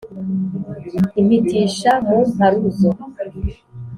Impitisha mu mparuzo,